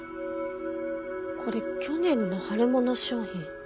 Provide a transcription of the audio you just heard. これ去年の春物商品。